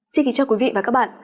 xin kính chào quý vị và các bạn